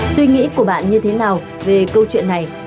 suy nghĩ của bạn như thế nào về câu chuyện này